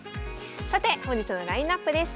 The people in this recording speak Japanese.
さて本日のラインナップです。